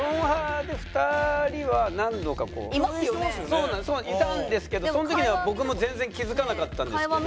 そういたんですけどその時には僕も全然気付かなかったんですけど。